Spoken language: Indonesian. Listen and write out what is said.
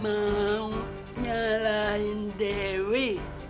mau nyalain dewi